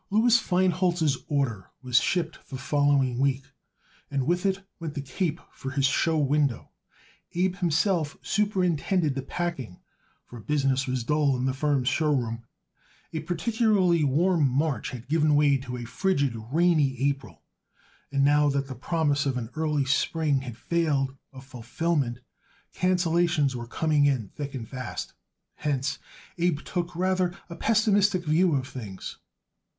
Louis Feinholz's order was shipped the following week, and with it went the cape for his show window. Abe himself superintended the packing, for business was dull in the firm's show room. A particularly warm March had given way to a frigid, rainy April, and now that the promise of an early spring had failed of fulfillment cancelations were coming in thick and fast. Hence, Abe took rather a pessimistic view of things.